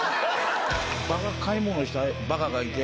バカ買い物したバカがいて。